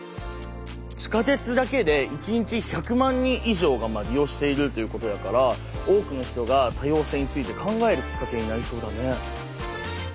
地下鉄だけで一日１００万人以上が利用しているっていうことやから多くの人が多様性について考えるきっかけになりそうだね。